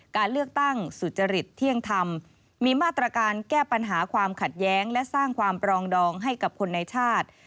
การเลือกตั้งสุจริตเที่ยงธรรมมีมาตรการแก้ปัญหาความขัดแย้งและสร้างความปรองดองให้กับคนในชาติ